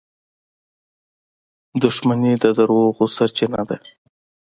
• دښمني د دروغو سرچینه ده.